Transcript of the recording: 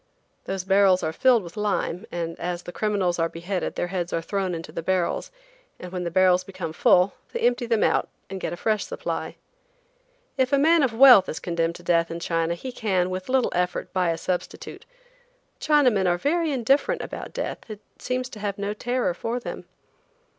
Those barrels are filled with lime, and as the criminals are beheaded their heads are thrown into the barrels, and when the barrels become full they empty them out and get a fresh supply. If a man of wealth is condemned to death in China he can, with little effort, buy a substitute. Chinamen are very indifferent about death; it seems to have no terror for them.